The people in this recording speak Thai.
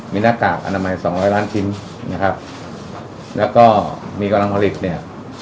มีหน้ากากอนามัยสองร้อยล้านชิ้นนะครับแล้วก็มีกำลังผลิตเนี่ย